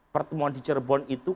pertemuan di cirebon itu